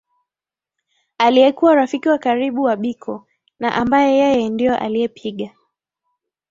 Aliyekuwa rafiki wa karibu wa Biko na ambaye yeye ndio aliyepiga